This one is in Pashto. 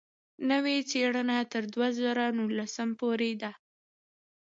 نوې څېړنه تر دوه زره نولسم پورې ده.